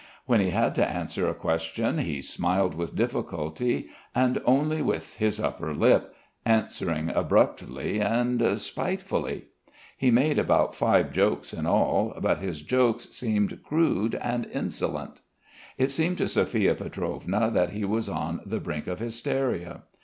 When he had to answer a question he smiled with difficulty and only with his upper lip, answering abruptly and spitefully. He made about five jokes in all, but his jokes seemed crude and insolent. It seemed to Sophia Pietrovna that he was on the brink of hysteria.